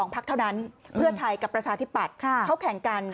พักเท่านั้นเพื่อไทยกับประชาธิปัตย์เขาแข่งกัน